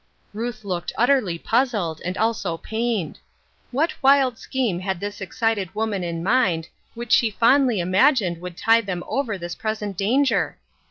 Ruth looked utterly puzzled, and also pained. What wild scheme had this excited woman in mind, which she fondly imagined would tide them over this present danger